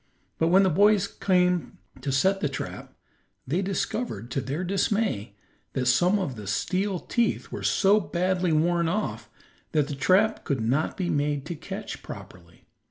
But when the boys came to set the trap they discovered, to their dismay, that some of the steel teeth were so badly worn off that the trap could not be made to catch properly.